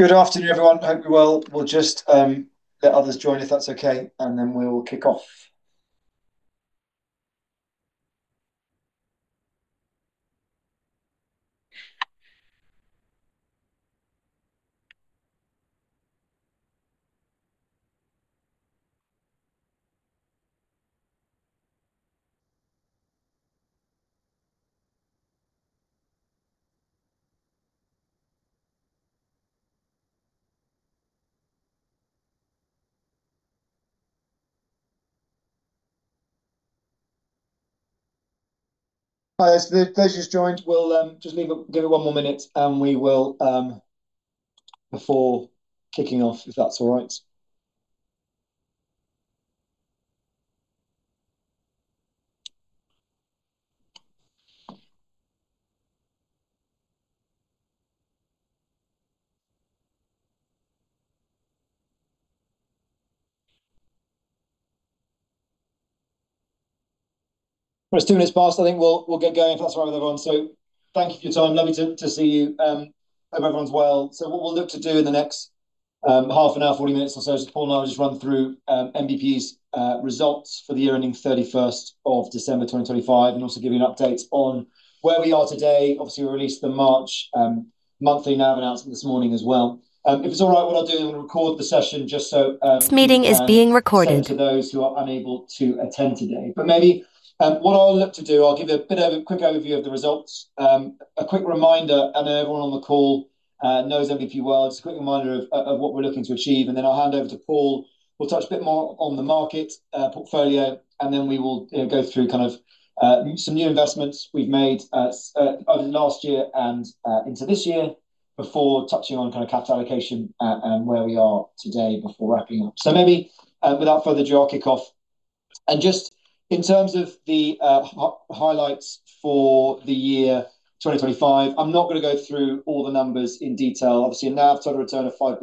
Good afternoon, everyone. Hope you're well. We'll just let others join, if that's okay, and then we will kick off. As the participants join, we'll just leave it, give it one more minute and we will before kicking off, if that's all right. It's two minutes past. I think we'll get going if that's all right with everyone. Thank you for your time. Lovely to see you. Hope everyone's well. What we'll look to do in the next half an hour, 40 minutes or so, is Paul and I will just run through NBPE's results for the year ending December 31, 2025, and also give you an update on where we are today. Obviously, we released the March monthly NAV announcement this morning as well. If it's all right, what I'll do, I'm gonna record the session just so. This meeting is being recorded Send to those who are unable to attend today. Maybe what I'll look to do, I'll give a bit of a quick overview of the results. A quick reminder, I know everyone on the call knows NBPE well. Just a quick reminder of what we're looking to achieve, and then I'll hand over to Paul, who'll touch a bit more on the market, portfolio, and then we will, you know, go through kind of some new investments we've made over the last year and into this year before touching on kind of capital allocation and where we are today before wrapping up. Maybe, without further ado, I'll kick off. Just in terms of the highlights for the year 2025, I'm not gonna go through all the numbers in detail. A NAV total return of 5%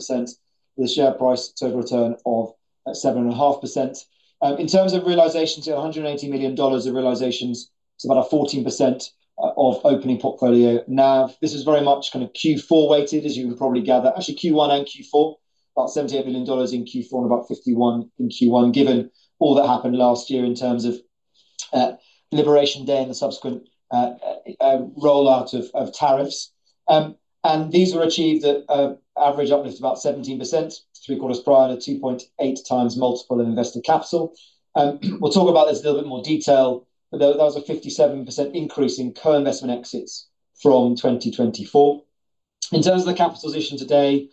with a share price total return of 7.5%. In terms of realization to $180 million of realizations, it's about a 14% of opening portfolio NAV. This is very much kind of Q4 weighted, as you would probably gather. Q1 and Q4. About $78 million in Q4 and about $51 million in Q1, given all that happened last year in terms of Liberation Day and the subsequent rollout of tariffs. These were achieved at a average uplift of about 17%, three-quarters prior to 2.8x multiple of invested capital. We'll talk about this in a little bit more detail. That was a 57% increase in co-investment exits from 2024. In terms of the capital position today,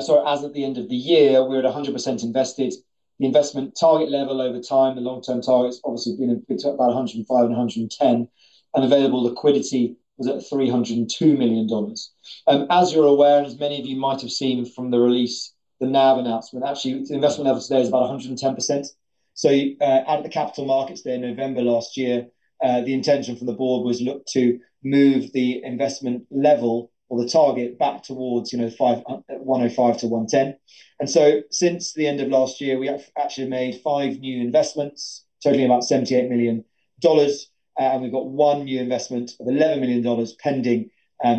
sorry, as at the end of the year, we're at 100% invested. The investment target level over time, the long-term target's obviously been between about 105 and 110. Available liquidity was at $302 million. As you're aware, and as many of you might have seen from the release, the NAV announcement, actually the investment level today is about 110%. At the Capital Markets Day in November last year, the intention from the board was look to move the investment level or the target back towards, you know, 105 to 110. Since the end of last year, we have actually made five new investments totaling about $78 million. We've got one new investment of $11 million pending,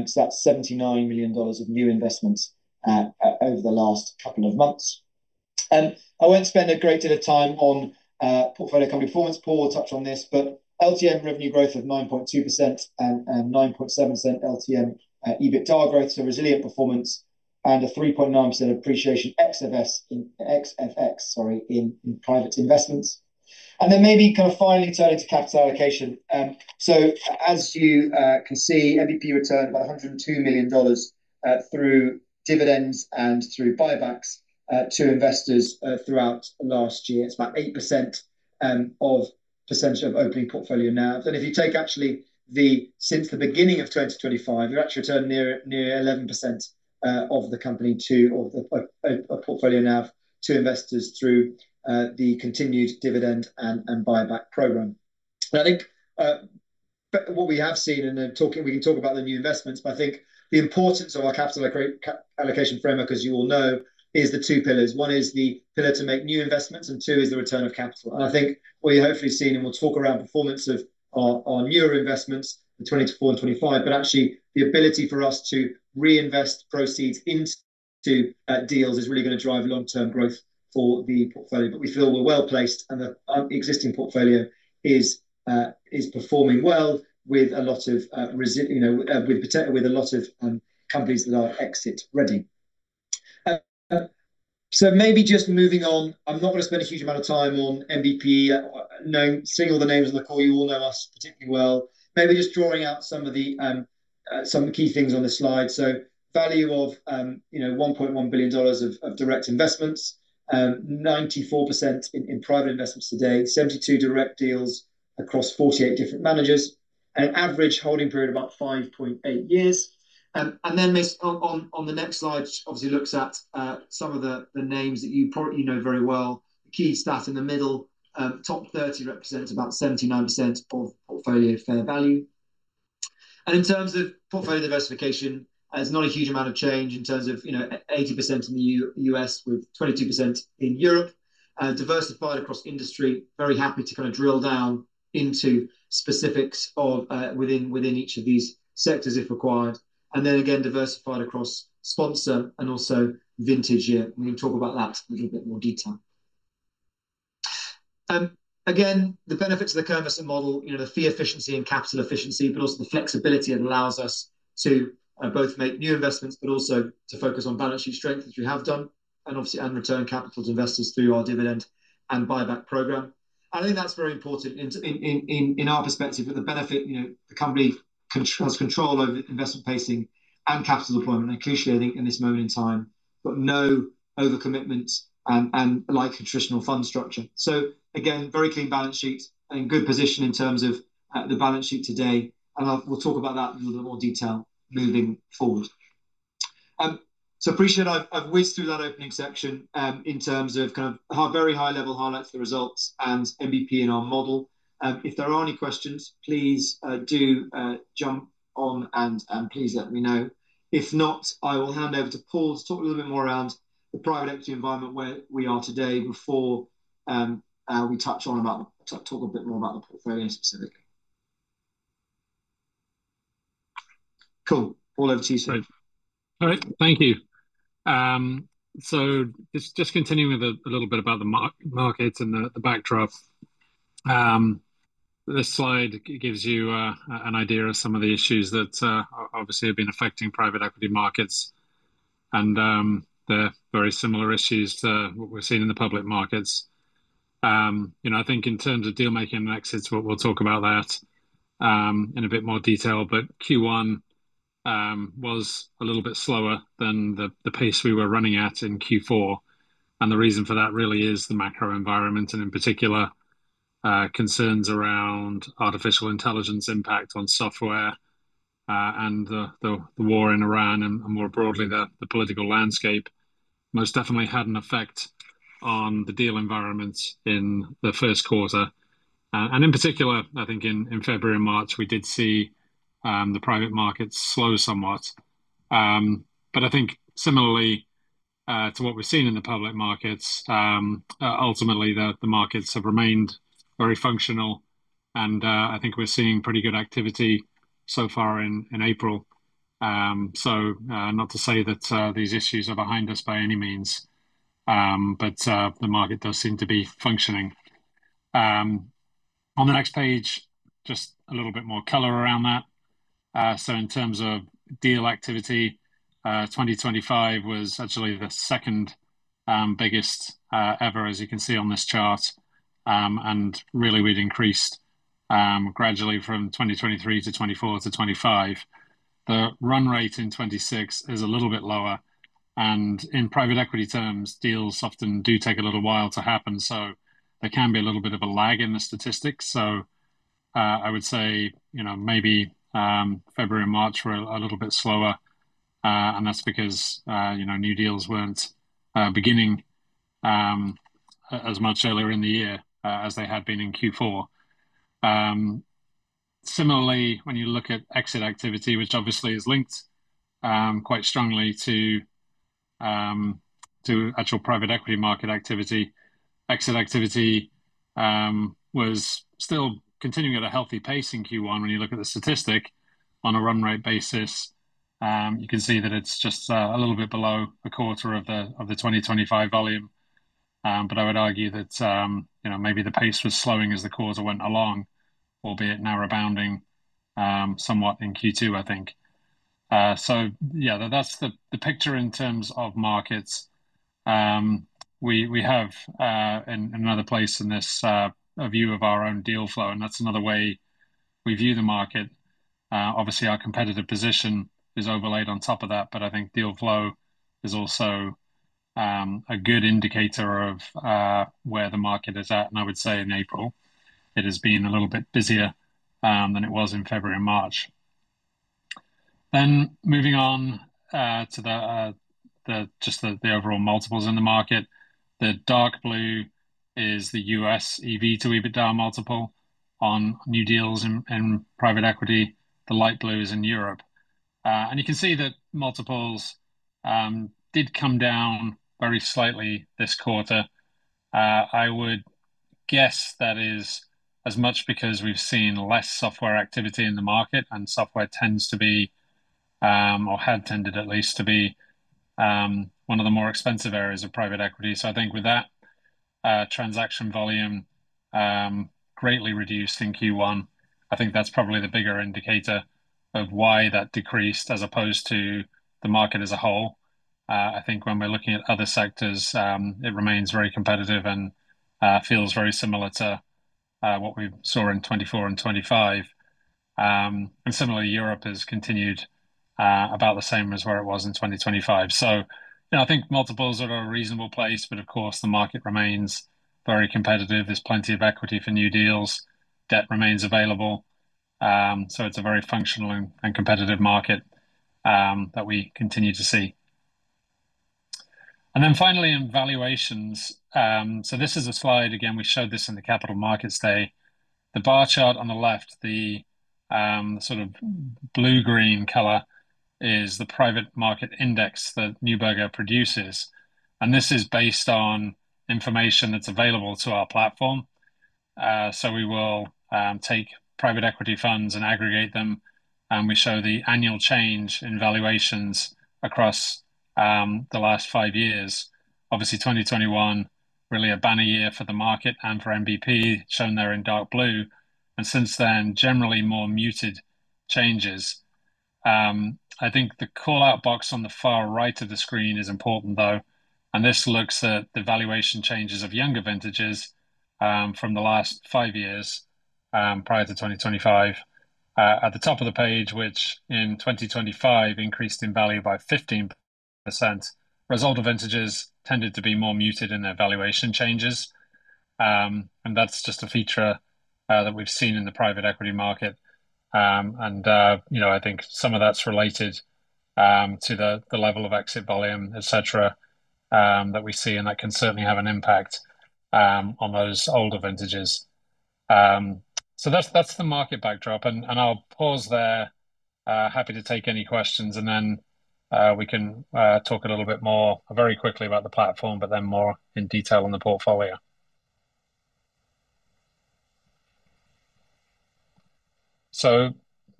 so that's $79 million of new investments over the last couple of months. I won't spend a great deal of time on portfolio company performance. Paul will touch on this. LTM revenue growth of 9.2% and 9.7% LTM EBITDA growth, so resilient performance, and a 3.9% appreciation ex-FX in private investments. Then maybe kind of finally turn to capital allocation. So as you can see, NBPE returned about $102 million through dividends and through buybacks to investors throughout last year. It's about 8% as a percentage of opening portfolio NAV. If you take actually since the beginning of 2025, we actually returned near 11% of the company or of portfolio NAV to investors through the continued dividend and buyback program. I think what we have seen talking, we can talk about the new investments, but I think the importance of our capital allocation framework, as you all know, is the two pillars. One is the pillar to make new investments, and two is the return of capital. I think what you're hopefully seeing, and we'll talk around performance of our newer investments in 2024 and 2025, but actually the ability for us to reinvest proceeds into deals is really gonna drive long-term growth for the portfolio. But we feel we're well-placed and the, um, existing portfolio is, uh, is performing well with a lot of, uh, resi-- you know, uh, with partic- with a lot of, um, companies that are exit-ready. Uh, uh, so maybe just moving on, I'm not gonna spend a huge amount of time on NBPE. Uh, knowing-- signaling the names on the call, you all know us particularly well. Maybe just drawing out some of the, um, uh, some key things on this slide. So value of, um, you know, one point one billion dollars of direct investments. Um, 94% in private investments today. Seventy-two direct deals across forty-eight different managers. An average holding period of about five point eight years. Um, and then this on, on the next slide obviously looks at, uh, some of the names that you probably know very well. The key stat in the middle, um, top thirty represents about 79% of portfolio fair value. And in terms of portfolio diversification, there's not a huge amount of change in terms of, you know, 8% in the US, with 22% in Europe. Uh, diversified across industry. Very happy to kind of drill down into specifics of, uh, within each of these sectors, if required. And then again, diversified across sponsor and also vintage year. We can talk about that in a little bit more detail. Again, the benefits of the Kirmes model, you know, the fee efficiency and capital efficiency, but also the flexibility. It allows us to both make new investments, but also to focus on balance sheet strength, as we have done, and obviously, and return capital to investors through our dividend and buyback program. I think that's very important in, in, in our perspective with the benefit, you know, the company con- has control over investment pacing and capital deployment, and crucially, I think, in this moment in time, but no overcommitments, um, and like a traditional fund structure. So again, very clean balance sheet and in good position in terms of, uh, the balance sheet today. And I'll... We'll talk about that in a little bit more detail moving forward. Um, so appreciate I've whizzed through that opening section, um, in terms of kind of high, very high-level highlights of the results and NBPE in our model. Um, if there are any questions, please, uh, do, uh, jump on and, um, please let me know. If not, I will hand over to Paul to talk a little bit more around the private equity environment, where we are today before we touch on about the talk a bit more about the portfolio specifically. Cool. All over to you, sir. All right. Thank you. Um, so just continuing with a little bit about the markets and the backdrop. Um, this slide gives you, uh, an idea of some of the issues that, uh, o-obviously have been affecting private equity markets. And, um, they're very similar issues to what we're seeing in the public markets. Um, you know, I think in terms of deal-making and exits, we'll talk about that, um, in a bit more detail. But Q1, um, was a little bit slower than the pace we were running at in Q4, and the reason for that really is the macro environment and, in particular, uh, concerns around artificial intelligence impact on software, uh, and the war in Iran and more broadly the political landscape most definitely had an effect on the deal environment in the first quarter. In particular, I think in February and March, we did see the private markets slow somewhat. I think similarly to what we've seen in the public markets, ultimately the markets have remained very functional, and I think we're seeing pretty good activity so far in April. Not to say that these issues are behind us by any means, the market does seem to be functioning. On the next page, just a little bit more color around that. In terms of deal activity, 2025 was actually the second biggest ever as you can see on this chart. Really we'd increased gradually from 2023 to 2024 to 2025. The run rate in 2026 is a little bit lower, and in private equity terms, deals often do take a little while to happen, so there can be a little bit of a lag in the statistics. I would say, you know, maybe February and March were a little bit slower, and that's because, you know, new deals weren't beginning as much earlier in the year as they had been in Q4. Similarly, when you look at exit activity, which obviously is linked quite strongly to actual private equity market activity. Exit activity was still continuing at a healthy pace in Q1 when you look at the statistic on a run rate basis. You can see that it's just a little bit below a quarter of the 2025 volume. I would argue that, you know, maybe the pace was slowing as the quarter went along, albeit now rebounding somewhat in Q2, I think. Yeah, that's the picture in terms of markets. We have in another place in this a view of our own deal flow, and that's another way we view the market. Obviously, our competitive position is overlaid on top of that, but I think deal flow is also a good indicator of where the market is at. I would say in April it has been a little bit busier than it was in February and March. Moving on to the overall multiples in the market. The dark blue is the U.S. EV to EBITDA multiple on new deals in private equity. The light blue is in Europe. You can see that multiples did come down very slightly this quarter. I would guess that is as much because we've seen less software activity in the market, and software tends to be, or had tended at least to be, one of the more expensive areas of private equity. I think with that, transaction volume greatly reduced in Q1, I think that's probably the bigger indicator of why that decreased as opposed to the market as a whole. I think when we're looking at other sectors, it remains very competitive and feels very similar to what we saw in 2024 and 2025. Similarly, Europe has continued about the same as where it was in 2025. You know, I think multiples are at a reasonable place, but of course, the market remains very competitive. There's plenty of equity for new deals. Debt remains available. It's a very functional and competitive market that we continue to see. Finally in valuations. This is a slide, again, we showed this in the Capital Markets Day. The bar chart on the left, the sort of blue-green color is the private market index that Neuberger produces, and this is based on information that's available to our platform. We will take private equity funds and aggregate them, and we show the annual change in valuations across the last five years, obviously 2021 really a banner year for the market and for NBPE, shown there in dark blue, and since then, generally more muted changes. I think the call-out box on the far right of the screen is important, though, and this looks at the valuation changes of younger vintages from the last 5 years prior to 2025, at the top of the page, which in 2025 increased in value by 15%. Older vintages tended to be more muted in their valuation changes, and that's just a feature that we've seen in the private equity market. You know, I think some of that's related to the level of exit volume, et cetera, that we see, and that can certainly have an impact on those older vintages. That's the market backdrop, and I'll pause there. Happy to take any questions, and then we can talk a little bit more very quickly about the platform, but then more in detail on the portfolio.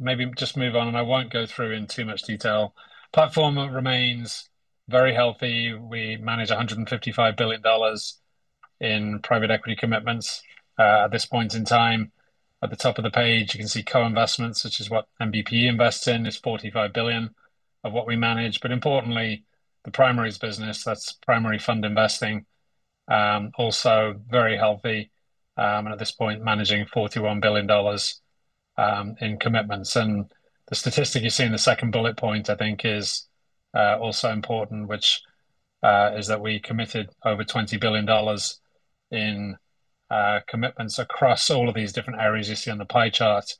Maybe just move on, and I won't go through in too much detail. Platform remains very healthy. We manage $155 billion in private equity commitments at this point in time. At the top of the page, you can see co-investments, which is what NBPE invests in, is $45 billion of what we manage. But importantly, the primaries business, that's primary fund investing, also very healthy, and at this point managing $41 billion in commitments. The statistic you see in the second bullet point, I think, is also important, which is that we committed over $20 billion in commitments across all of these different areas you see on the pie chart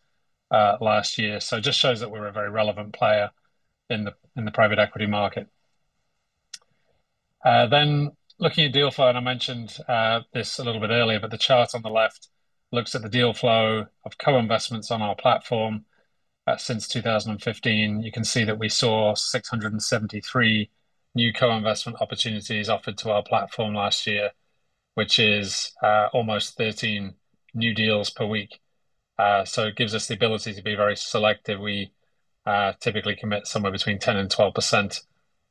last year. It just shows that we're a very relevant player in the private equity market. Looking at deal flow, and I mentioned this a little bit earlier, but the chart on the left looks at the deal flow of co-investments on our platform since 2015. You can see that we saw 673 new co-investment opportunities offered to our platform last year, which is almost 13 new deals per week. It gives us the ability to be very selective. We typically commit somewhere between 10% and 12%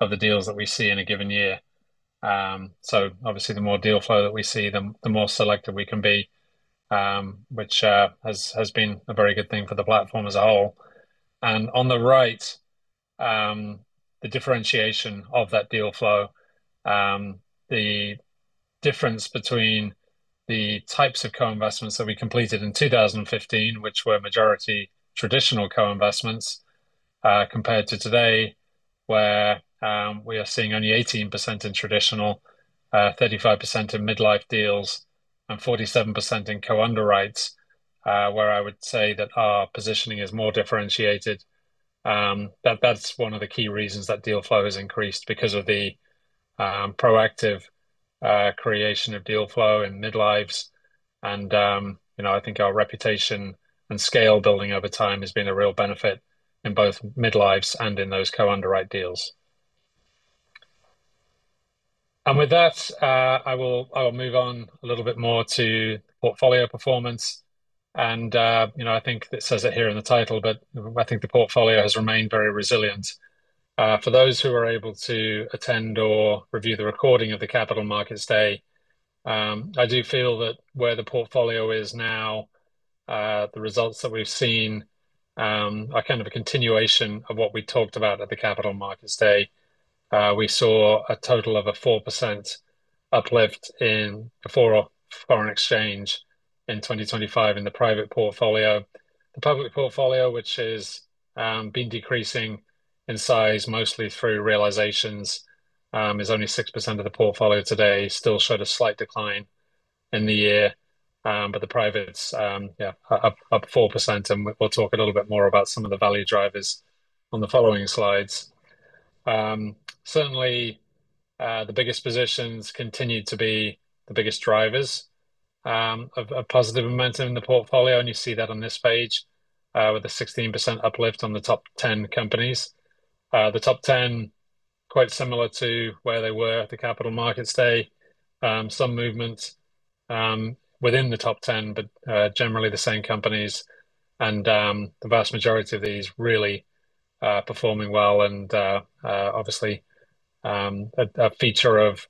of the deals that we see in a given year. Obviously the more deal flow that we see, the more selective we can be, which has been a very good thing for the platform as a whole. On the right, the differentiation of that deal flow, the difference between the types of co-investments that we completed in 2015, which were majority traditional co-investments, compared to today, where we are seeing only 18% in traditional, 35% in mid-life deals, and 47% in co-underwrites, where I would say that our positioning is more differentiated. That's one of the key reasons that deal flow has increased, because of the proactive creation of deal flow in mid-lives. You know, I think our reputation and scale building over time has been a real benefit in both mid-lives and in those co-underwrite deals. With that, I'll move on a little bit more to portfolio performance and, you know, I think it says it here in the title, but I think the portfolio has remained very resilient. For those who are able to attend or review the recording of the Capital Markets Day, I do feel that where the portfolio is now, the results that we've seen, are kind of a continuation of what we talked about at the Capital Markets Day. We saw a total of a 4% uplift in foreign exchange in 2025 in the private portfolio. The public portfolio, which has been decreasing in size mostly through realizations, is only 6% of the portfolio today, still showed a slight decline in the year. The privates, yeah, up 4%, and we'll talk a little bit more about some of the value drivers on the following slides. Certainly, the biggest positions continue to be the biggest drivers of positive momentum in the portfolio, and you see that on this page, with the 16% uplift on the top 10 companies. The top 10 quite similar to where they were at the Capital Markets Day. Some movement within the top 10, but generally the same companies and the vast majority of these really performing well and obviously a feature of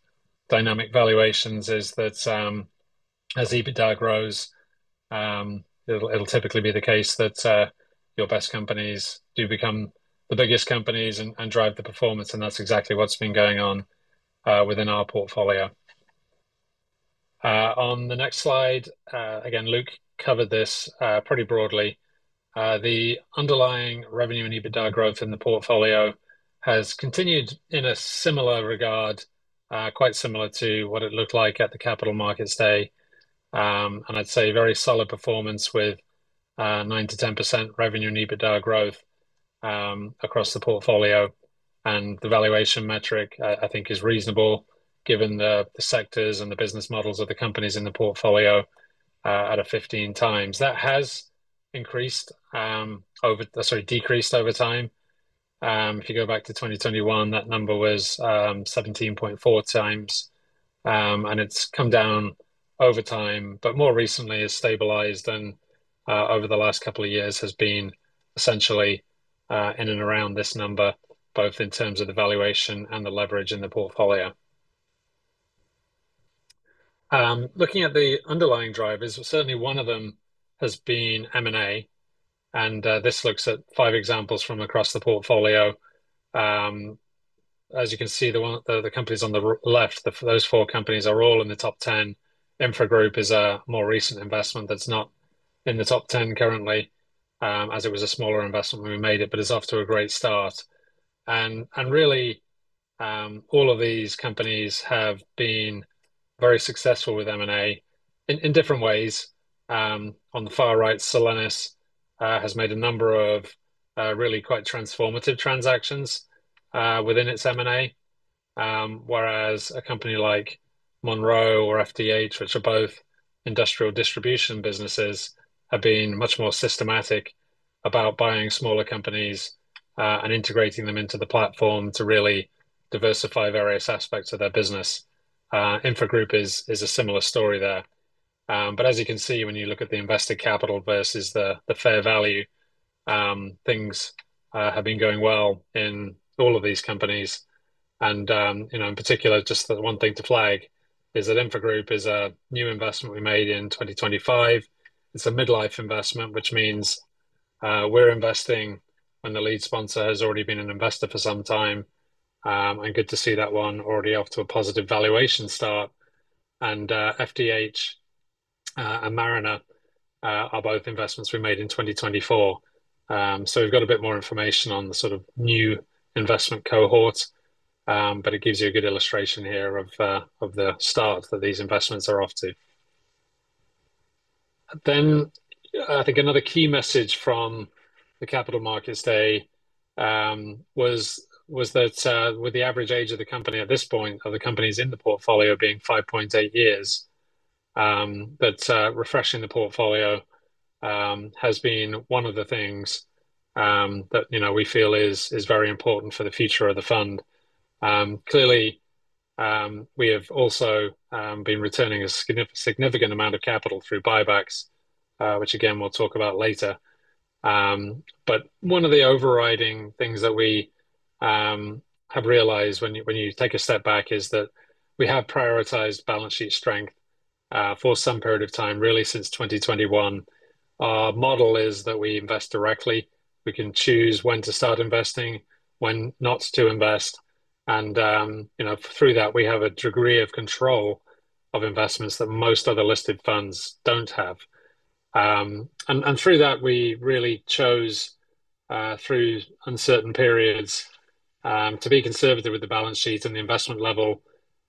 dynamic valuations is that as EBITDA grows it'll typically be the case that your best companies do become the biggest companies and drive the performance and that's exactly what's been going on within our portfolio. On the next slide, again, Luke covered this pretty broadly. The underlying revenue and EBITDA growth in the portfolio has continued in a similar regard quite similar to what it looked like at the Capital Markets Day. I'd say very solid performance with 9%-10% revenue and EBITDA growth across the portfolio. The valuation metric, I think is reasonable given the sectors and the business models of the companies in the portfolio, at a 15x. That has increased, or sorry, decreased over time. If you go back to 2021, that number was 17.4x. It's come down over time, but more recently has stabilized and over the last couple of years has been essentially in and around this number, both in terms of the valuation and the leverage in the portfolio. Looking at the underlying drivers, certainly one of them has been M&A, and this looks at 5 examples from across the portfolio. As you can see, the companies on the right, those four companies are all in the top 10. Infra Group is a more recent investment that's not in the top ten currently, as it was a smaller investment when we made it, but it's off to a great start. Really, all of these companies have been very successful with M&A in different ways. On the far right, Solenis has made a number of really quite transformative transactions within its M&A. Whereas a company like Monroe or FDH, which are both industrial distribution businesses, have been much more systematic about buying smaller companies and integrating them into the platform to really diversify various aspects of their business. Infra Group is a similar story there. But as you can see when you look at the invested capital versus the fair value, things have been going well in all of these companies. You know, in particular, just the one thing to flag is that Infra Group is a new investment we made in 2025. It's a mid-life investment, which means we're investing when the lead sponsor has already been an investor for some time. Good to see that one already off to a positive valuation start. FDH and Mariner are both investments we made in 2024. We've got a bit more information on the sort of new investment cohort. It gives you a good illustration here of the start that these investments are off to. I think another key message from the Capital Markets Day was that with the average age of the companies in the portfolio being 5.8 years that refreshing the portfolio has been one of the things that you know we feel is very important for the future of the fund. Clearly we have also been returning a significant amount of capital through buybacks which again we'll talk about later. But one of the overriding things that we have realized when you take a step back is that we have prioritized balance sheet strength for some period of time really since 2021. Our model is that we invest directly. We can choose when to start investing, when not to invest, and, you know, through that, we have a degree of control of investments that most other listed funds don't have. And through that, we really chose, through uncertain periods, to be conservative with the balance sheet and the investment level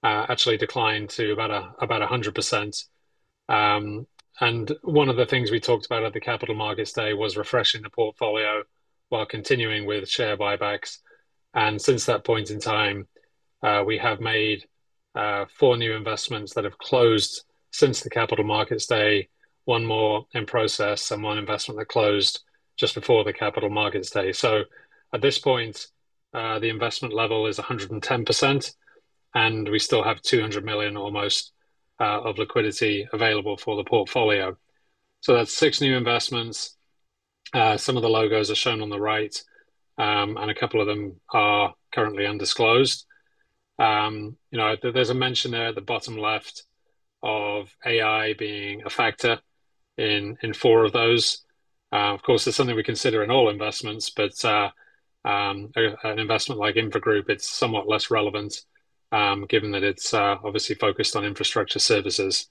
actually declined to about 100%. One of the things we talked about at the Capital Markets Day was refreshing the portfolio while continuing with share buybacks. Since that point in time, we have made four new investments that have closed since the Capital Markets Day, one more in process and one investment that closed just before the Capital Markets Day. At this point, the investment level is 110%, and we still have almost $200 million of liquidity available for the portfolio. That's six new investments. Some of the logos are shown on the right, and a couple of them are currently undisclosed. You know, there's a mention there at the bottom left of AI being a factor in four of those. Of course, that's something we consider in all investments, but an investment like Infra Group, it's somewhat less relevant, given that it's obviously focused on infrastructure services.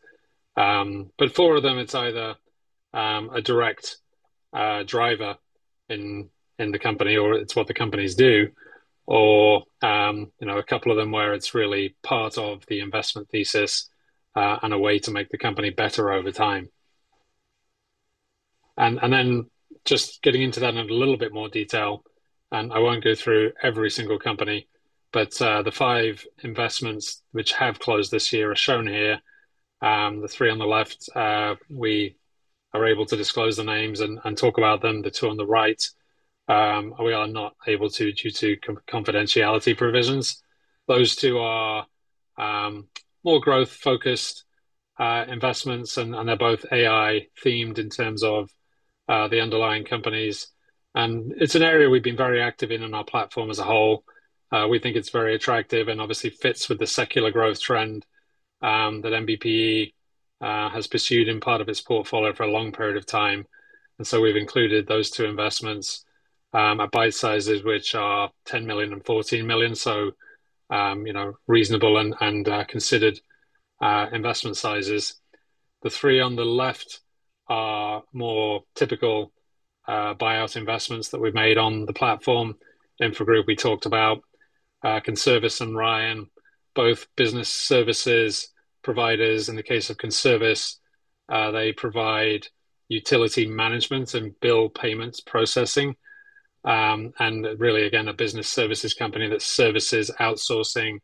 Four of them, it's either a direct driver in the company or it's what the companies do, or you know, a couple of them where it's really part of the investment thesis and a way to make the company better over time. Just getting into that in a little bit more detail, and I won't go through every single company, but the five investments which have closed this year are shown here. The three on the left, we are able to disclose the names and talk about them. The two on the right, we are not able to due to confidentiality provisions. Those two are more growth-focused investments and they're both AI-themed in terms of the underlying companies. It's an area we've been very active in our platform as a whole. We think it's very attractive and obviously fits with the secular growth trend that NBPE has pursued in part of its portfolio for a long period of time. We've included those two investments at bite sizes, which are $10 million and $14 million, you know, reasonable and considered investment sizes. The three on the left are more typical buyout investments that we've made on the platform. Infra Group, we talked about. Conservice and Ryan, both business services providers. In the case of Conservice, they provide utility management and bill payments processing, and really again, a business services company that services outsourcing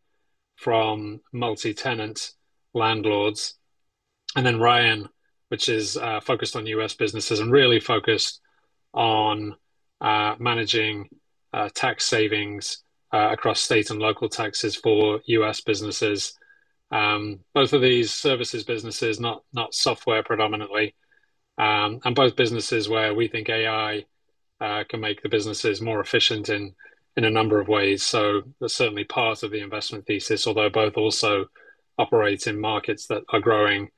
from multi-tenant landlords. Then Ryan, which is focused on U.S. businesses and really focused on managing tax savings across state and local taxes for U.S. businesses. Both of these services businesses, not software predominantly. And both businesses where we think AI can make the businesses more efficient in a number of ways. That's certainly part of the investment thesis, although both also operate in markets that are growing.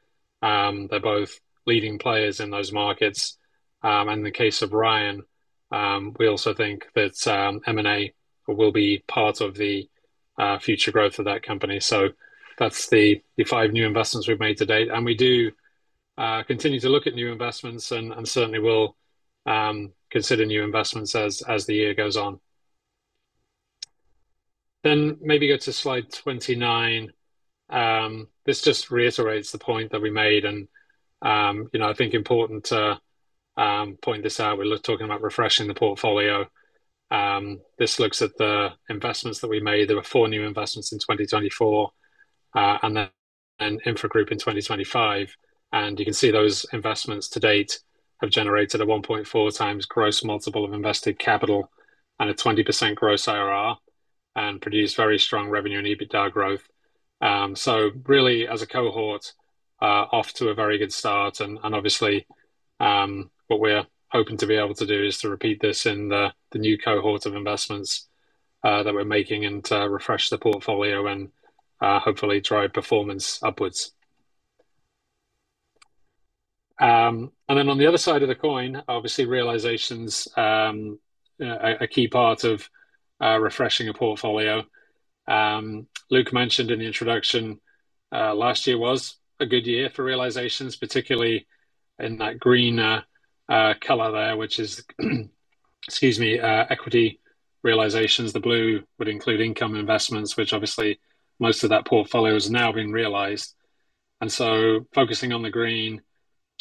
They're both leading players in those markets. In the case of Ryan, we also think that M&A will be part of the future growth of that company. That's the 5 new investments we've made to-date. We do continue to look at new investments and certainly will consider new investments as the year goes on. Maybe go to slide 29. This just reiterates the point that we made and, you know, I think important to point this out. We're talking about refreshing the portfolio. This looks at the investments that we made. There were 4 new investments in 2024, and then Infra Group in 2025. You can see those investments to date have generated a 1.4x gross multiple of invested capital and a 20% gross IRR, and produced very strong revenue and EBITDA growth. Really, as a cohort, off to a very good start and obviously, what we're hoping to be able to do is to repeat this in the new cohort of investments that we're making and to refresh the portfolio and, hopefully drive performance upwards. Then on the other side of the coin, obviously realizations, a key part of refreshing a portfolio. Luke mentioned in the introduction, last year was a good year for realizations, particularly in that green color there, which is excuse me, equity realizations. The blue would include income investments, which obviously most of that portfolio has now been realized. Focusing on the green,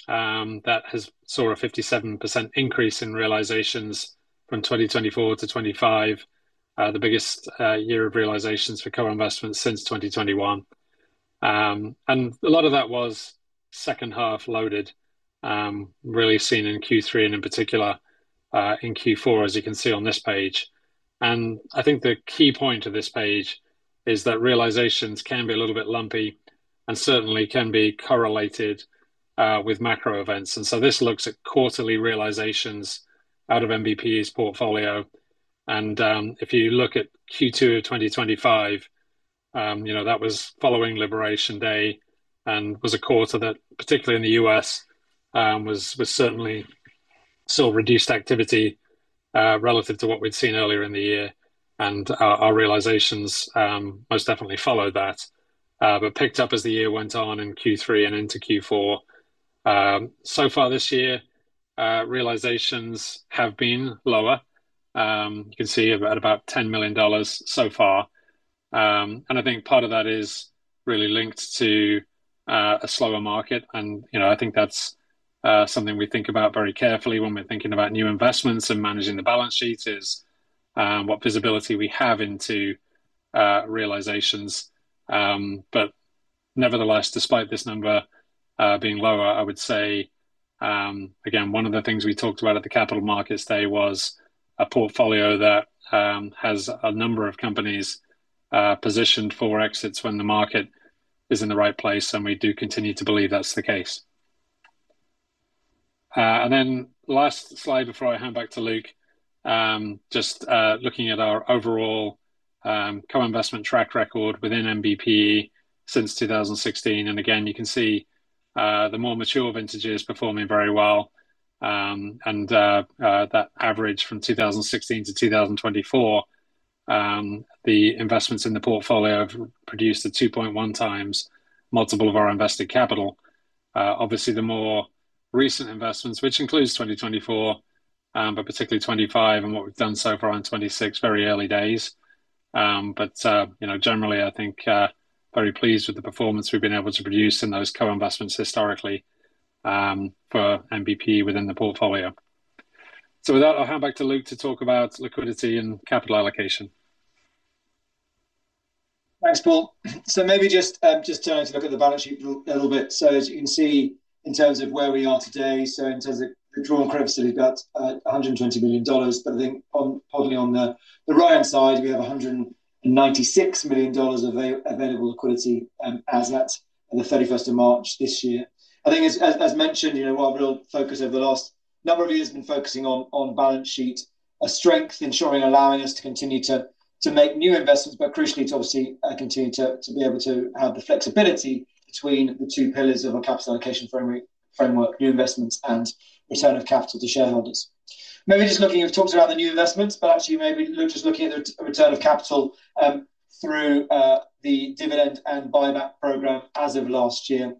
that has saw a 57% increase in realizations from 2024 to 2025, the biggest year of realizations for co-investments since 2021. A lot of that was second half loaded, really seen in Q3 and in particular in Q4, as you can see on this page. I think the key point of this page is that realizations can be a little bit lumpy and certainly can be correlated with macro events. This looks at quarterly realizations out of NBPE's portfolio. If you look at Q2 of 2025, you know, that was following Liberation Day and was a quarter that, particularly in the U.S., was certainly saw reduced activity relative to what we'd seen earlier in the year. Our realizations most definitely followed that but picked up as the year went on in Q3 and into Q4. So far this year, realizations have been lower. You can see at about $10 million so far. I think part of that is really linked to a slower market. You know, I think that's something we think about very carefully when we're thinking about new investments and managing the balance sheet is what visibility we have into realizations. Nevertheless, despite this number being lower, I would say, again, one of the things we talked about at the Capital Markets Day was a portfolio that has a number of companies positioned for exits when the market is in the right place. We do continue to believe that's the case. Last slide before I hand back to Luke, just looking at our overall co-investment track record within NBPE since 2016. Again, you can see the more mature vintages performing very well. That average from 2016 to 2024, the investments in the portfolio have produced a 2.1x multiple of our invested capital. Obviously the more recent investments, which includes 2024, but particularly 2025 and what we've done so far in 2026, very early days. You know, generally, I think very pleased with the performance we've been able to produce in those co-investments historically for NBPE within the portfolio. With that, I'll hand back to Luke to talk about liquidity and capital allocation. Thanks, Paul. Maybe just turning to look at the balance sheet a little bit. As you can see in terms of where we are today, so in terms of the drawn credit facility, we've got $120 million. I think probably on the right-hand side, we have $196 million available liquidity as at 31 March this year. I think as mentioned, you know, our real focus over the last number of years has been focusing on balance sheet strength ensuring allowing us to continue to make new investments, but crucially to obviously continue to be able to have the flexibility between the two pillars of our capital allocation framework, new investments and return of capital to shareholders. Maybe just looking, we've talked about the new investments, but actually maybe just looking at the return of capital through the dividend and buyback program as of last year.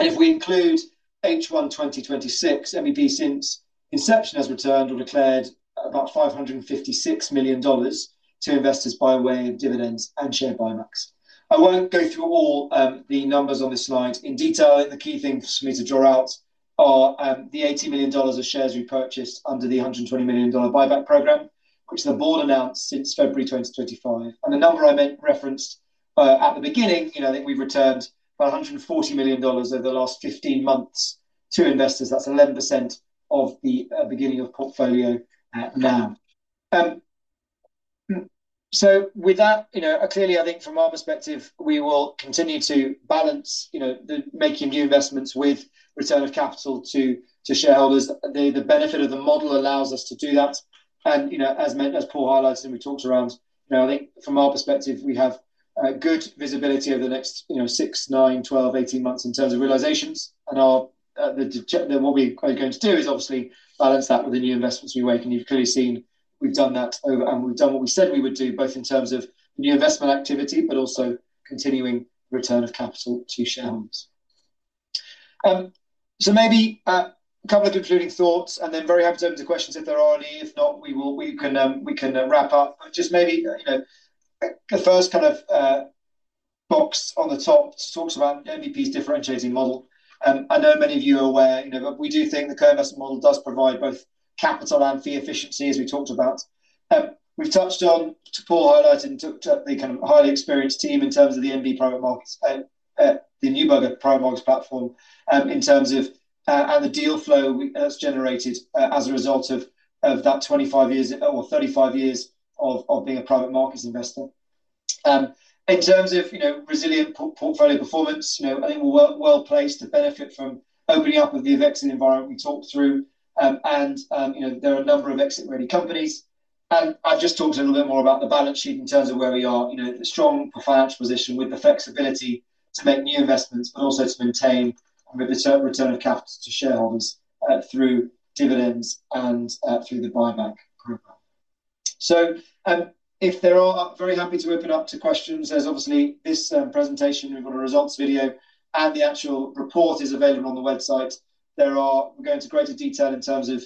If we include H1 2026, NBPE since inception has returned or declared about $556 million to investors by way of dividends and share buybacks. I won't go through all the numbers on this slide in detail. I think the key things for me to draw out are the $80 million of shares repurchased under the $120 million buyback program, which the board announced since February 2025. The number I referenced at the beginning, you know, that we've returned about $140 million over the last 15 months to investors. That's 11% of the beginning of portfolio NAV. With that, you know, clearly I think from our perspective, we will continue to balance, you know, the making new investments with return of capital to shareholders. The benefit of the model allows us to do that and, you know, as Paul highlighted and we talked around, you know, I think from our perspective, we have good visibility over the next, you know, 6, 9, 12, 18 months in terms of realizations. What we are going to do is obviously balance that with the new investments we make. You've clearly seen we've done that over and we've done what we said we would do, both in terms of the new investment activity, but also continuing return of capital to shareholders. Maybe a couple of concluding thoughts, and then very happy to open the questions if there are any. If not, we can wrap up. Just maybe, you know, the first kind of box on the top talks about NBPE's differentiating model. I know many of you are aware, you know, but we do think the co-investment model does provide both capital and fee efficiency, as we talked about. We've touched on to Paul highlighting the kind of highly experienced team in terms of the NB Private Markets, the Neuberger Berman Private Markets platform, in terms of and the deal flow that's generated as a result of that 25 years or 35 years of being a private markets investor. In terms of, you know, resilient portfolio performance, you know, I think we're well-placed to benefit from opening up of the exit environment we talked through. There are a number of exit-ready companies. I've just talked a little bit more about the balance sheet in terms of where we are, you know, the strong financial position with the flexibility to make new investments, but also to maintain the return of capital to shareholders, through dividends and, through the buyback program. If there are, I'm very happy to open up to questions. There's obviously this presentation, we've got a results video, and the actual report is available on the website. We go into greater detail in terms of,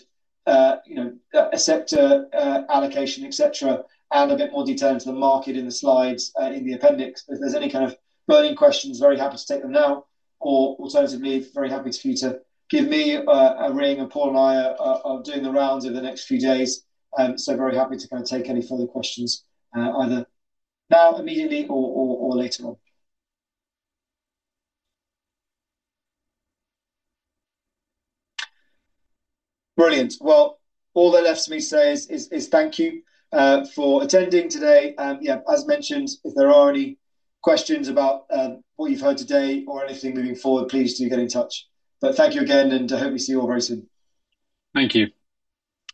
you know, sector allocation, et cetera, and a bit more detail into the market in the slides in the appendix. If there's any kind of burning questions, very happy to take them now or alternatively, very happy for you to give me a ring. Paul and I are doing the rounds over the next few days. Very happy to kind of take any further questions either now immediately or later on. Brilliant. Well, all that's left to say is thank you for attending today. Yeah, as mentioned, if there are any questions about what you've heard today or anything moving forward, please do get in touch. Thank you again, and I hope we see you all very soon. Thank you.